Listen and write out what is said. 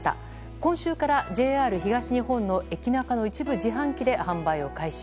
今週からＪＲ東日本の駅中の一部自販機で販売を開始。